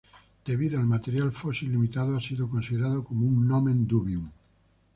Debido al material fósil limitado, ha sido considerado como un "nomen dubium".